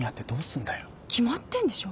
決まってんでしょ。